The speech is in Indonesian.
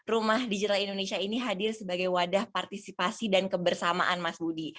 rumah digital indonesia ini hadir sebagai wadah partisipasi dan kebersamaan mas budi